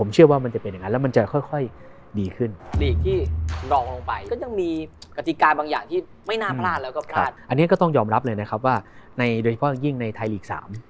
๓เราใช้ผู้ทศิลป์หน้าใหม่